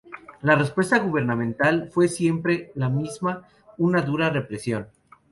La respuesta gubernamental fue siempre la misma: una dura represión.